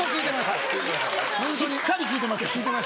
しっかり聞いてました。